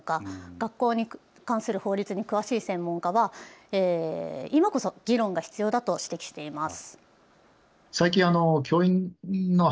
学校に関する法律に詳しい専門家は今こそ議論が必要だと指摘しています。